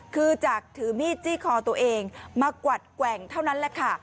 คือจากถือมีดจี้คอตัวเองมากวัดแกว่งเท่านั้นแหละค่ะ